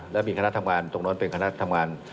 แล้วมีคณะทำงานตรงนั้นเป็นคณะทำงาน